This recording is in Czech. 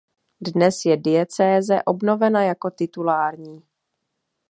Dnes je diecéze obnovena jako titulární.